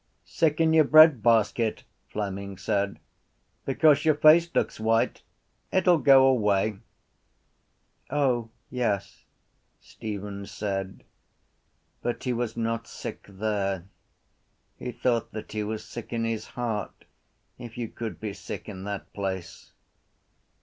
—Sick in your breadbasket, Fleming said, because your face looks white. It will go away. —O yes, Stephen said. But he was not sick there. He thought that he was sick in his heart if you could be sick in that place.